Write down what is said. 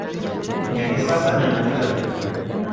Ni ya kisasa na ina vita vingi